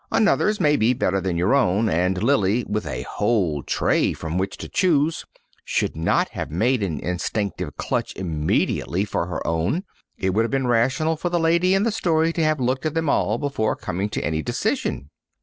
Another's may be better than your own and Lily, with a whole tray from which to choose, should not have made an instinctive clutch immediately for her own. It would have been rational for the lady in the story to have looked at them all before coming to any decision.